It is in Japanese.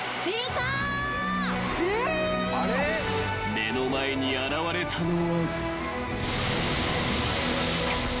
［目の前に現れたのは］